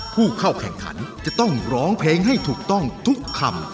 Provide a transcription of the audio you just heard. ผู้เข้าแข่งขันจะต้องร้องเพลงให้ถูกต้องทุกคำ